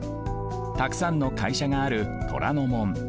たくさんのかいしゃがある虎ノ門。